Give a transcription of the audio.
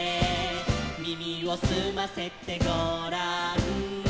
「耳をすませてごらん」